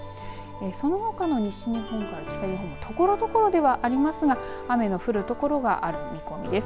そのほかの西日本から北日本ところどころではありますが雨の降るところがある見込みです。